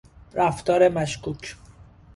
رفتار مشکوک